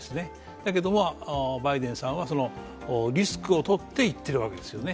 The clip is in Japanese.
だけどもバイデンさんはそのリスクをとって行ってるわけです。